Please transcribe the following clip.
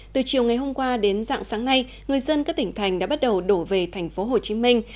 từ chiều ngày hôm qua đến dạng sáng nay người dân các tỉnh thành đã bắt đầu đổ về thành phố hồ chí minh